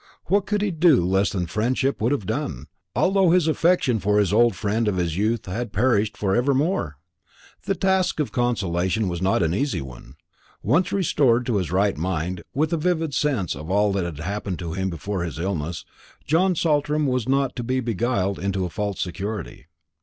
What could he do less than friendship would have done, although his affection for this old friend of his youth had perished for evermore? The task of consolation was not an easy one. Once restored to his right mind, with a vivid sense of all that had happened to him before his illness, John Saltram was not to be beguiled into a false security.